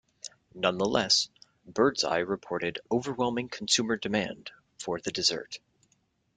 Nonetheless, Birds Eye reported "overwhelming consumer demand" for the dessert.